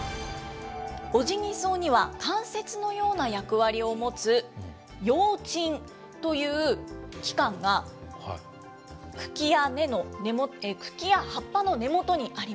オジギソウには、関節のような役割を持つ葉枕という器官が茎や根の、茎や葉っぱの葉枕？